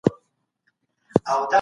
اوس لا د ګرانښت